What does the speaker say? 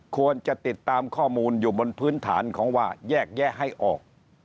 ควรจะติดตามข้อมูลอยู่บนพื้นฐานของว่าแยกแยะให้ออก